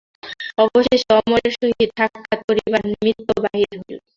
অবশেষে অমরের সহিত সাক্ষাৎ করিবার নিমিত্ত বাহির হইল।